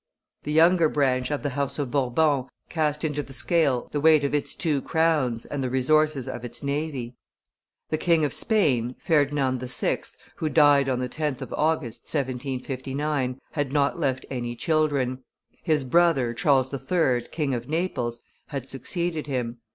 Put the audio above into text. The younger branch of the house of Bourbon cast into the scale the weight of its two crowns and the resources of its navy. The King of Spain, Ferdinand VI., who died on the 10th of August, 1759, had not left any children. His brother, Charles III., King of Naples, had succeeded him.